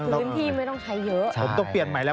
เพิ่มที่ไม่ต้องใจเยอะ